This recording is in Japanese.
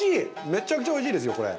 めちゃくちゃおいしいですよこれ。